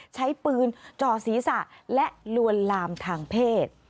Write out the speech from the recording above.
ใช้ปืนจ่อศีรษะและลวนลามทางเพศ